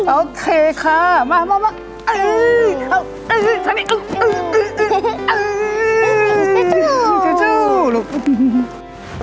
โอเคค่ะมา